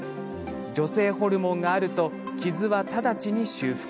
女性ホルモンがあると傷は直ちに修復。